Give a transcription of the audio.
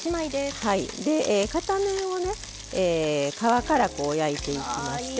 片面をね皮からこう焼いていきまして。